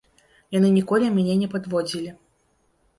Яны ніколі мяне не падводзілі.